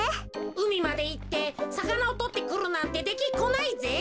うみまでいってさかなをとってくるなんてできっこないぜ。